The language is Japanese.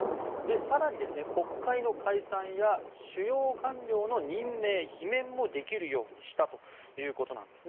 更に国会の解散や主要官僚の任命・罷免もできるようにしたんですね。